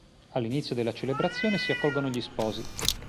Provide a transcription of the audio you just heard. All'inizio della celebrazione si accolgono gli sposi.